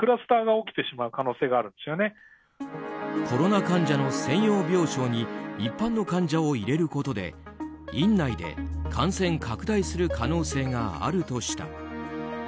コロナ患者の専用病床に一般の患者を入れることで院内で感染拡大する可能性があるとした。